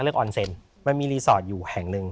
ออนเซ็นมันมีรีสอร์ทอยู่แห่งหนึ่ง